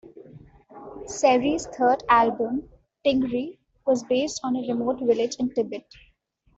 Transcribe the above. Serrie's third album, "Tingri", was based on a remote village in Tibet.